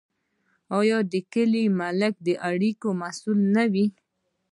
آیا د کلي ملک د اړیکو مسوول نه وي؟